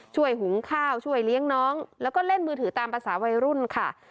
หุงข้าวช่วยเลี้ยงน้องแล้วก็เล่นมือถือตามภาษาวัยรุ่นค่ะ